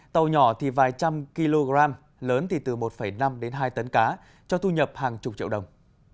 tàu nhỏ thì vài trăm kg lớn thì từ một năm đến hai tấn cá cho thu nhập hàng chục triệu đồng